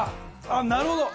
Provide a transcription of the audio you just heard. あっなるほど！